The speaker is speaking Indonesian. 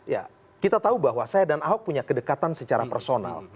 ya kita tahu bahwa saya dan ahok punya kedekatan secara personal